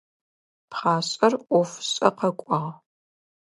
Пхъашӏэр ӏофышӏэ къэкӏуагъ.